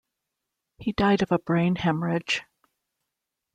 He died of a brain hemorrhage.